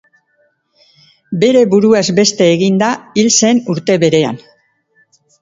Bere buruaz beste eginda hil zen urte berean.